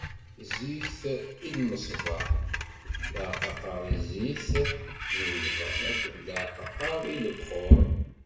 Zzit i lmeṣbaḥ, leɛqaqer i zzit n wedhan akked leɛqaqer i lebxuṛ.